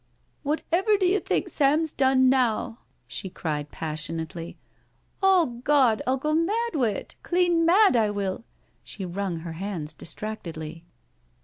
" Whatever do yo' think Sam's done now?" she cried passionately. " Oh Gawd, I'll go mad wi't — clean mad, I will." She wrung her hands distractedly.